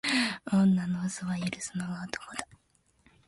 女の嘘は許すのが男だ。